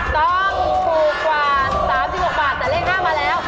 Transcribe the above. ต้องถูกกว่า๓๖บาทแต่เลข๕มาแล้ว